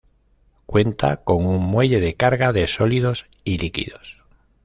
Cuenta con un muelle de carga de sólidos y líquidos.